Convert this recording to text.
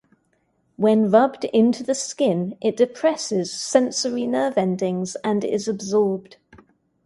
When rubbed into the skin, it depresses sensory nerve-endings and is absorbed.